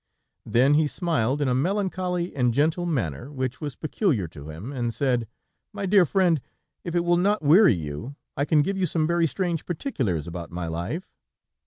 Then he smiled in a melancholy and gentle manner, which was peculiar to him, and said: "My dear friend, if it will not weary you, I can give you some very strange particulars about my life.